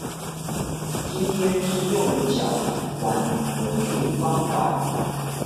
今天是用腳玩魔術方塊